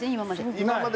今まで。